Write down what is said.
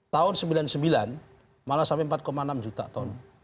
tahun seribu sembilan ratus sembilan puluh sembilan malah sampai empat enam juta ton